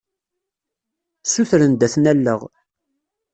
Ssutren-d ad ten-alleɣ.